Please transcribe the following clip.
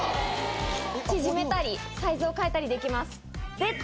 縮めたりサイズを変えたりできます。